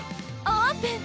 オープン！